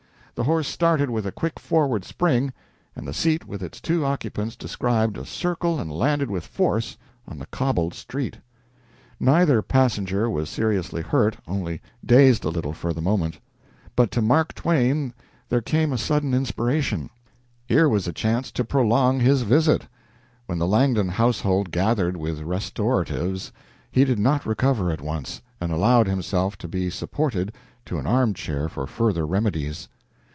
The horse started with a quick forward spring, and the seat with its two occupants described a circle and landed with force on the cobbled street. Neither passenger was seriously hurt only dazed a little for the moment. But to Mark Twain there came a sudden inspiration. Here was a chance to prolong his visit. When the Langdon household gathered with restoratives, he did not recover at once, and allowed himself to be supported to an arm chair for further remedies.